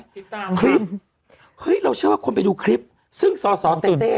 ติดตามคลิปเฮ้ยเราเชื่อว่าคนไปดูคลิปซึ่งสอสอเต้เต้